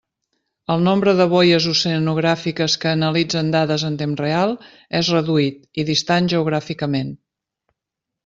El nombre de boies oceanogràfiques que analitzen dades en temps real és reduït i distant geogràficament.